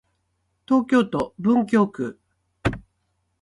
東京都文京区